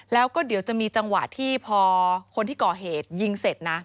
แล้วก็เดี๋ยวจะมีจังหวะที่พอคนที่ก่อเหตุยิงเสร็จนะ